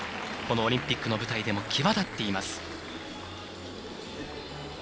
このオリンピックの舞台でも際立っています。